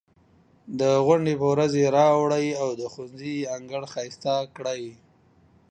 د غونډې په ورځ یې راوړئ او د ښوونځي انګړ ښایسته کړئ.